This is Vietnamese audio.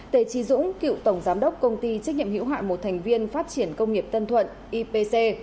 t t dũng cựu tổng giám đốc công ty trách nhiệm hữu hại một thành viên phát triển công nghiệp tân thuận ipc